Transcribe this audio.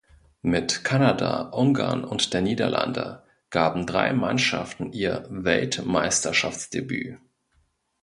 Mit Kanada, Ungarn und der Niederlande gaben drei Mannschaften ihr Weltmeisterschaftsdebüt.